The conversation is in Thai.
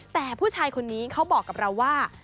แต่ผู้ชายคนนี้เขาบอกกับเราว่า